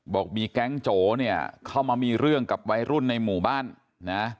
บอกมีแก๊งโจเนี่ยเข้ามามีเรื่องกับวัยรุ่นในหมู่บ้านนะ